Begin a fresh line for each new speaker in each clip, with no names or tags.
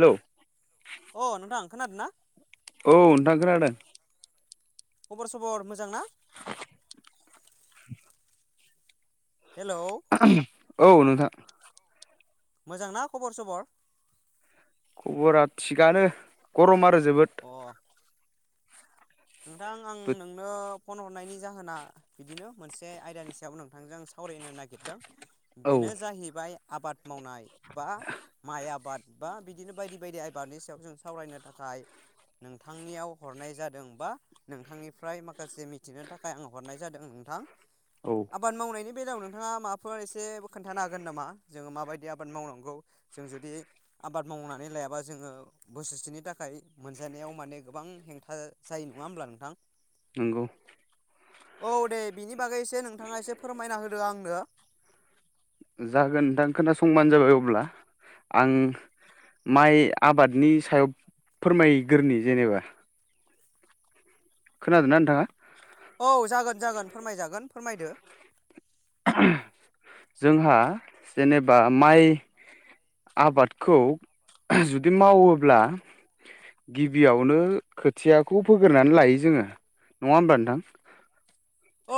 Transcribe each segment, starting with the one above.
Hello
अ नोंथां खोनादोना
औ नोंथां खोनादों
खबर सबर मोजां ना
[inaudible]
हेलौ
औ नोंथां
मोजां ना खबर सबर
खबरा थिगानो गरम आरो जोबोद
अ नोंथां आं नोंनो फन हरनायनि जाहोना बिदिनो मोनसे आयदानि सायाव नोंथांजों सावरायनो नागिरदों
औ
बेनो जाहैबाय आबाद मावनाय बा माइ आबाद बा बिदिनो बायदि बायदि आबादनि सायाव जों सावरायनो थाखाय नोंथांनियाव हरनाय जादों नोंथांनिफ्राय माखासे मिथिनो थाखाय आङ हरनाय जादों नोंथां
औ
आबाद मावनायनि बे बेलायाव नोंथाङा माफोर एसे खोन्थानो हागोन नामा जोङो माबायदि आबाद मावनांगौ जों जुदि आबाद मावनानै लायाबा जोङो बोसोरसेनि थाखाय मोनजानायाव माने गोबां हेंथा जायो नङा होमब्ला नोंथां
नोंगौ।
औ दे बिनि बागै एसे नोंथाङा एसे फोरमायना होदो आंनो।
जागोन नोंथां खोनासंबानो जाबाय अब्ला आं माइ आबादनि सायाव फोरमायग्रोनि जेनेबा। खोनादोना नोंथाङा।
औ जागोन जागोन फोरमायजागोन फोरमायदो।
जोंहा जेनेबा माइ आबादखौ जुदि मावोब्ला गिबियावनो खोथियाखौ फोग्रोनानै लायो जोङो। नङा होम्बा नोंथां।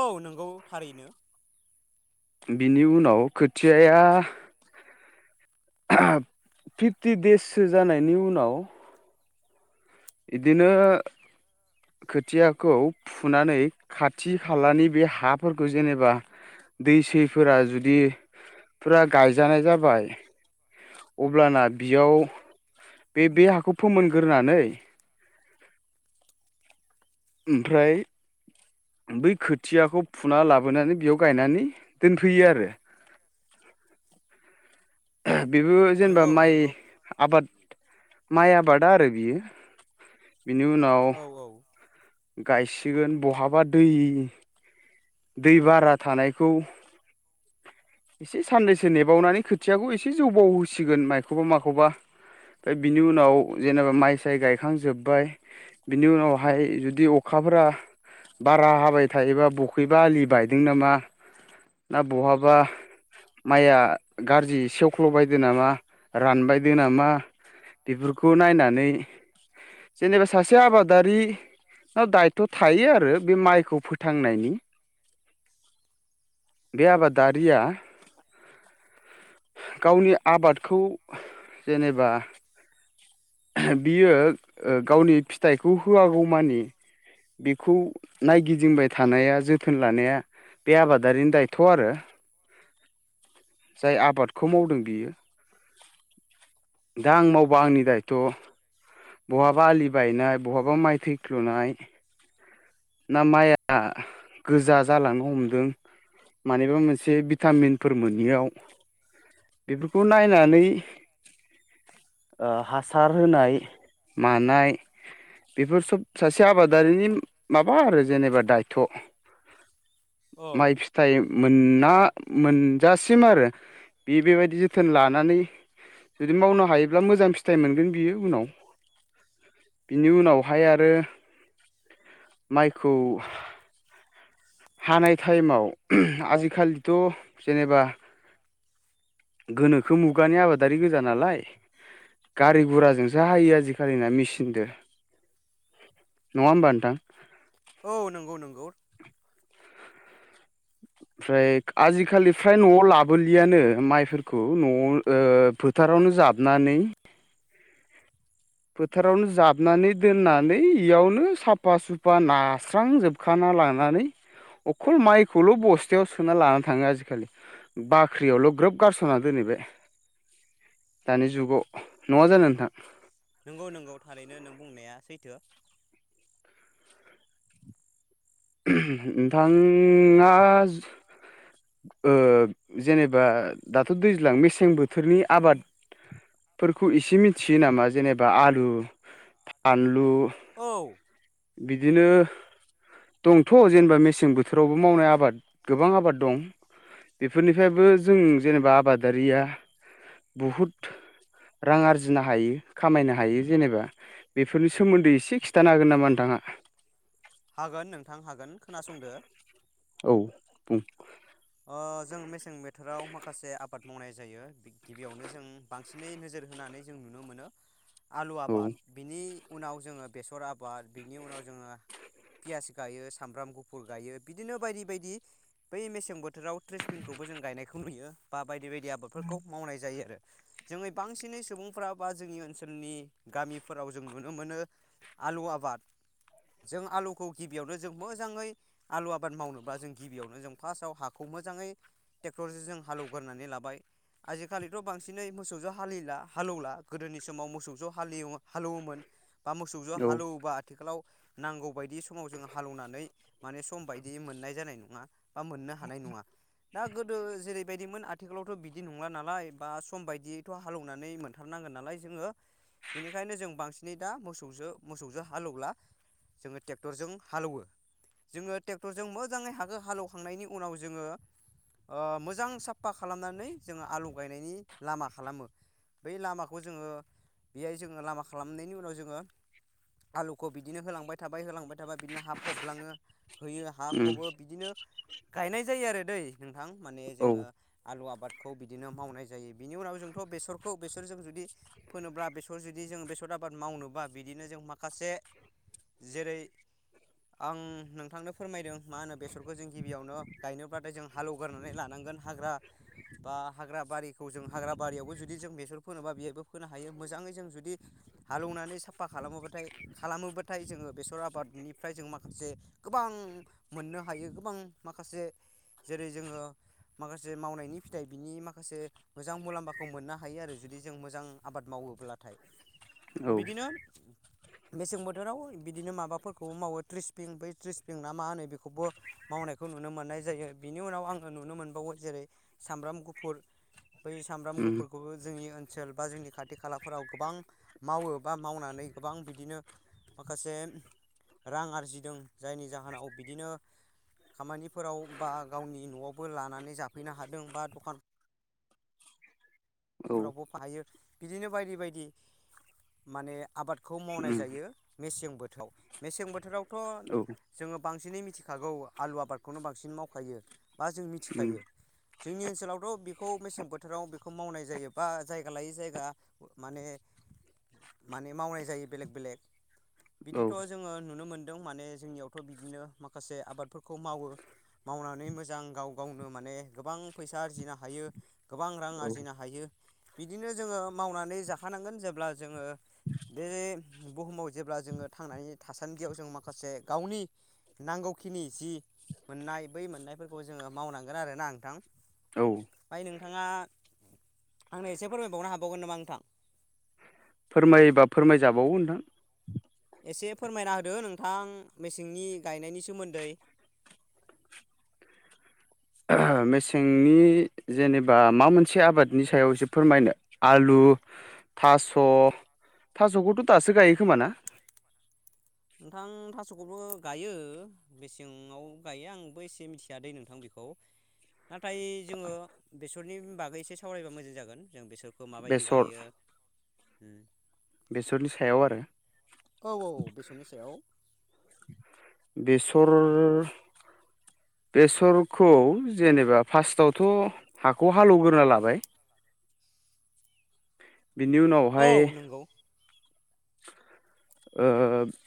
औ नोंगौ थारैनो।
बिनि उनाव खोथियाया फिफ्टि देससो जानायनि उनाव इदिनो खोथियाखौ फुनानै खाथि खालानि बे हाफोरखौ जेनेबा दै सैफोरा जुदि फुरा गायजानाय जाबाय अब्लाना बियाव बे बे हाखौ फोमोनग्रोनानै ओमफ्राय बै खोथियाखौ फुना लाबोनानै बियाव गायनानै दोनफैयो आरो। बेबो जेनेबा
नंगौ
माइ
नंगौ
आबाद माइ आबादा आरो बियो बिनि उनाव
औ औ
गायसिगोन बहाबा दै दै बारा थानायखौ एसे सान्नैसो नेबावनानै खोथियाखौ एसे जौबाव होसिगोन मायखौबा माखौबा। दा बिनि उनाव जेनेबा माइ साय गायखांजोब्बाय बिनि उनावहाय जुदि अखा अखाफोरा बारा हाबाय थायोबा बखैबा आलि बायदों नामा ना बहाबा माइया गाज्रि सेवख्ल'बायदो नामा रानबायदो नामा बेफोरखौ नायनानै जेनेबा सासे आबादारि ना दायथ' थायो आरो बे माइखौ फोथांनायनि।
[inaudible]
बे आबादारिया गावनि आबादखौ जेनेबा बियो ओ गावनि फिथाइखौ होआगौमानि बेखौ नायगिदिंबाय थानाया जोथोन लानाया बे आबादारिनि दायथ' आरो। जाय आबादखौ मावदों बियो। दा आं मावबा आंनि दाय थ' बहाबा आलि बायनाय बहाबा माइ थैख्लुनाय। ना माइआ गोजा जालांनो हमदों। मानिबा मोनसे भिटामिनफोर मोनियाव बेफोरखौ नायनानै ओ हासार होनाय मानाय बेफोर सब सासे आबादारिनि माबा आरो जेनेबा दायथ'
औ
माइ फिथाइ मोन्ना मोनजासिम आरो बे बेबायदि जोथोन लानानै जुदि मावनो हायोब्ला मोजां फिथाइ मोनगोन बियो उनाव। बिनि उनावहाय आरो माइखौ हानाय टाइमाव आजिखालिथ' जेनेबा गोनोखो मुगानि आबादारि गोजा नालाय गारि गुराजोंस हायो आजिखालिना मेचिनजों नङा होनबा नोंथां।
औ- नंगौ नंगौ।
ओमफ्राय आजिखालि फ्राय न'आव लाबोलियानो माइफोरखौ न'आव ओ- फोथार फावनो जाबनानै फोथारावनो जाबनानै दोननानै इयावनो साफा सुफा नास्रांजोबखाना लानानै अखल माइखौल' बस्थायाव सोना लाना थाङो आजिखालि बाख्रियावल' ग्रोब गारस'ना दोनै बाय दानि जुगाव नङा जानो नोंथां?
नंगौ नंगौ थारैनो नों बुंनाया सैथो।
नोंथाङा ओ- जेनेबा दाथ' दैज्लां मेसें बोथोरनि आबाद फोरखौ इसे मिथियो नामा जेनेबा आलु फानलु
औ
बिदिनो दंथ' जेनेबा मेसें बोथोरावबो मावनाय आबाद गोबां आबाद दं। बेफोरनिफ्रायबो जों जेनेबा आबादारिया बहुद रां आरजिनो हायो खामायनो हायो जेनेबा बेफोरनि सोमोन्दै एसे खिथानो हागोन नामा? राङा
हागोन नोंथां हागोन खोनासंदो।
औ बुं
ओ जों मेसें बोथोराव माखासे आबाद मावनाय जायो गिबियावनो जों बांसिनै नोजोर होननानै जों नुनो मोन आलु
औ
आबाद बिनि उनाव जोङो बेसर आबाद बिनि उनाव जोङो पियास गायो सामब्राम गुफुर गायो बिदिनो बायदि बायदि बै मेसें बोथोर बोथोराव ट्रेसपिनखौबो जों गायनायखौ नुयो बा बायदि बायदि आबादफोरखौ मावनाय जायो आरो। जोङै बांसिनै सुबुंफ्रा बा जोंनि ओनसोलनि गामिफोराव जों नुनो मोनो। आलु आबाद जों आलुखौ गिबियावनो जों मोजाङै आलु आबाद मावनोबा जों गिबियावनो जों फार्स्टआव हा खौ मोजाङै टेक्न'लजिजों हालेवगोरनानै लाबाय आजिखालिथ' बांसिनै मोसौजों हालिला हालेवला गोदोनि समाव मोसौ ज हवोन हालौवोमोन। बा मोसौजों
औ
हालेवोबा आथिखालाव नांगौ बायदि समाव जोंङ हालौवनानै माने सम बायदियै मोननाय जानाय नङा बा मोननो हानाय नङा दा गोदो जेरैबायदिमोन आथिखालावथ' बिदि नंला नालाय बा सम बायदियैथ' हालेव नानै मोनथारनांगोन नालाय जोङो बेनिखायनो जों बांसिनै दा मोसौजो- मोसौजों हालेवला जोङो ट्रेक्टरजों हालेवो जोङो ट्रेक्टरजों मोजाङै हागो हालेवखांनायनि उनाव जोङो ओ मोजां साफा खालामनानै जोङो आलौ गायनायनि लामा खालामो। बै लामाखौ जोङो बेहाय जोङो लामा खालामनायनि उनाव जोङो आलु खौ बिदिनो होलांबाय थाबाय होलांबाय थाबाय बिदिनो हा फबलाङो होयो हा
उम
फबो बिदिनो गायनाय जायो आरो दै नोंथां माने
औ
जोङो आलु आबाद खौ बिदिनो मावनाय जायो। बिनि उनाव जोंथ' बेसरखौ बेसर जों जुदि फोनोब्ला बेसर जुदि जों बेसरा आबाद मावनोबा बिदिनो जों माखासे जेरै आं नोंथांनो फोरमायदों मा होनो बेसरखौ जों गिबियावनो गायनोब्लाथाय जों हालेवगोरनानै लानांगोन हाग्रा बा हाग्रा बारिखौ जों हाग्रा बारियावबो जुदि जों बेसर फोनोबा बेहबो फोनो हायो। मोजाङै जों जुदि हालेवनानै साफा खालामोबाथाय खालामोबा नाथाय जोङो बेसर आबादनिफ्राय जों माखासे गोबां मोननो हायो गोबां माखासे जेरै' जोङो। माखासे मावनायनि फिथाइ बिनि माखासे मोजां मुलाम्फाखौ मोननो हायो आरो। जुदि जों मोजां आबाद मावोब्लाथाय।
औ
बिदिनो। मेसें बोथोराव बिदिनो माबाफोरखौबो मावो थ्रिसपिं बै थ्रिसपिं ना मा होनो बेखौबो मावनायखौ नुनो मोननाय जायो। बिनि उनाव आङो नुनो मोनबावो जेरै' सामब्राम गुफुर बै सामब्राम
उम
गुफुरखौबो जोंनि ओ ओनसोल बा जोंनि खाथि खालाफोराव गोबां मावो बा मावनानै गोबां बिदिनो माखासे रां आरजिदों जायनि जाहोनाव बिदिनो खामानिफोराव बा गावनि न'आवबो लानानै जाफैनो हादों बा द'खान
औ
फोरावबो फायो बिदिनो बायदि बायदि। माने आबाद खौ मावनाय
उम
जायो। मेसें बोथोराव मेसें बोथोरावथ'
औ
जोङो बांसिन बांसिनै मिथिखागौ आलु आबादखौनो बांसिन मावखायो बा जों
उम
मिथिखायो। जोंनि ओनसोलावथ' बेखौ मेसें बोथोराव बेखौ मावनाय जायोबा जायगा लायोै जायगा माने माने मावनाय जायो। बेलेग बेलेक
औ
बिदिथ' जोङो नुनो मोनद दों माने जोंनियावथ' बिदिनो माखासे आबादफोरखौ मावो मावनानै मोजां गाव गावनो माने गोबां फैसा आरजिनो हायो। गोबां रां आरजिनो हा बिदिनो जोङो मावनानै जाखानांगोन जेब्ला जोङो। बे बुहुमाव जेब्ला जोङो थांनानै थासान्दियाव जों माखासे गावनि नां जि मोननाय बै मोननायफोरखौ जोङो मावनांगोन आर ना नोंथां।
औ।
ओमफ्राय नोंथाङा आंनो एसे फोरमायबावनो हाबावगोन नामा नोंथां?
फोरमायोबा फोरमायजाबावो नोंथां।
एसे फोरमायना होदो नोंथां? मेसेंनि गायनायनि सोमोन्दै। [inaudible]
मेसेंनि जेनेबा माबा मोनसे आबादनि सायावसो फोरमायनो आलु उ थास' थास'खौथ' दासो गायो खोम ना?
नोंथां थास'खौल' गायो मेसेंव गायो आंबो एसे मिथिया दै नोंथां बेखौ। खौ नाथाय जोङो बेसरनि बागै एसे सावरायबा मोजां जागोन जों बेसर बेखौ माबायदि
बेसर
गायो।
बेसरनि सायाव आरो।
औ औ बेसरनि सायाव।
सर स
[inaudible]
बेसर खौ जेनेबा फार्स्टआवथ' हाखौ हालेवग्रा लाबाय। बिनि उनाव
औ
हाय।
नंगौ
ओ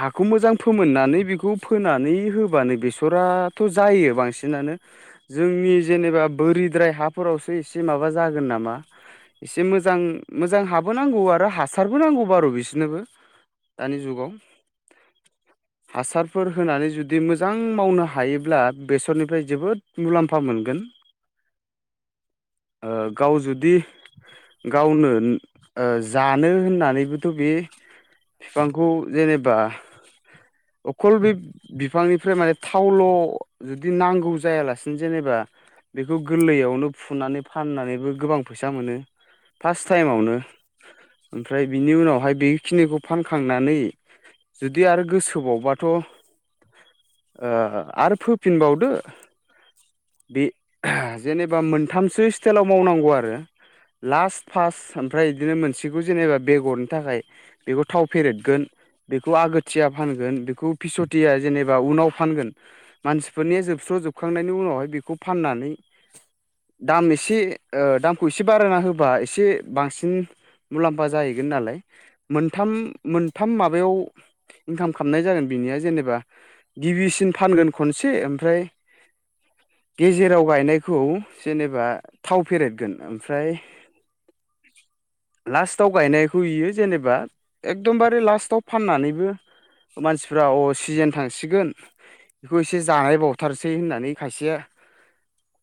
हाखौ मोजां फोमोननानै बेखौ फोनानै होबानो बेसराथ' जायो। यो बांसिनानो जोंनि जेनेबा बोरिद्राय हाफोरावसो एसे माबा जागोन नामा। एसे मोजां मोजां हाबो नांगौ। आरो हासारबो नांगौ बार' बिसिनोबो। दानि जुगाव।
[inaudible]
हासारफोर होनानै जुदि मोजां मावनो हायोब्ला बेसरनिफ्राय जोबोद मुलाम्फा मोनगोन।
[inaudible]
ओ गाव जुदि गावनो ओ जानो होननानैबोथ' बे बिफांखौ जेनेबा। अखल बे बिफांनिफ्राय माने थावल' जुदि नांगौ जायालासिनो जेनेबा। बेखौ गोरलैयावनो फुनानै फाननानैबो गोबां फैसा मोनो। फार्स्ट टाइमावनो ओमफ्राय बिनि उनावहाय बेखिनिखौ फानखांनानै जुदि आरो। गोसोबावबाथ' आरो फोफिनबावदो बे जेनेबा मोनथामसो स्टाइलाव मावनांगौ आरो लास्ट फार्स्ट ओमफ्राय बिदिनो मोनसेखौ जेनेबा बेगरनि थाखाय बेखौ थाव फेरेदगोन बेखौ आगोथिया फानगोन बेखौ फिस'थिया जेनेबा उनाव फानगोन मानसिफोरनिया जोबस जोबखांनायनि उनावहाय बेखौ फाननानै दाम एसे दामखौ एसे बारायना होबा एसे बांसिन मुलाम्फा जाहैगोन नालाय मोनथाम-मोनथाम माबायाव इनकाम खालामनाय जागोन बेनिया जेनेबा गिबिसिन फानगोन खनसे ओमफ्राय
[inaudible]
गेजेराव गायनायखौ जेनेबा थाव फेरेेरगोन ओमफ्राय
[inaudible]
लास्टाव गायनायखौ इयो जेनेबा एकदमबारे लास्टाव फाननानैबो मानसिफ्रा अ सिजेन थांसिगोन बेखौ एसे जाहै बावथारसै होननानै खायसेया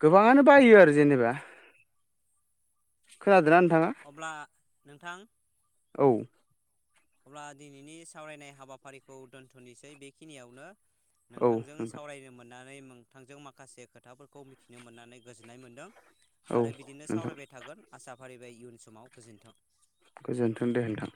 गोबाङानो बायो आरो जेनेबा खोनादों ना
अब्ला नोंथां
औ
अब्ला दिनैनि सावरायनाय हाबाफारिखौ दोनथ'नोसै बेखिनियावनो।
औ
नोंथांजों
नोंथां
सावरायनो मोन मोननानै नोंथांजों माखासे खोथाफोरखौ मिथिनो मोननानै गोजोननाय मोन्दों
औ
आरो बिदिनो
नोंथां
सावरायबाय थागोन आसा फारिबाय इयुन समाव गोजोन्थों।
गोजोन्थों दे नोंथां।